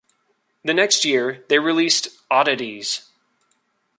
The next year, they released "Oddities".